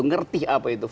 ngerti apa itu